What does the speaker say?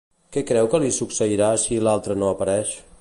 Què creu que li succeirà, si l'altre no apareix?